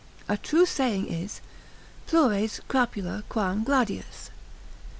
A true saying it is, Plures crapula quam gladius.